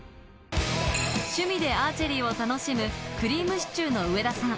趣味でアーチェリーを楽しむ、くりぃむしちゅーの上田さん。